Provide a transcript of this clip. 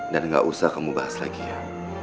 dan nggak usah kamu bahas lagi yah